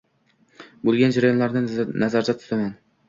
bo‘lgan jarayonlarni nazarda tutaman.